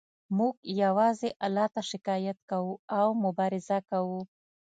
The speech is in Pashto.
موږ یوازې الله ته شکایت کوو او مبارزه کوو